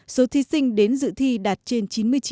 số thi sinh đến dự thi đạt trên chín mươi chín